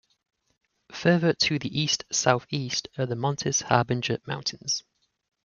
Further to the east-southeast are the Montes Harbinger mountains.